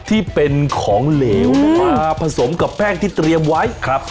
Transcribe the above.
ที่เป็นของเหลวมาผสมกับแป้งที่เตรียมไว้ครับ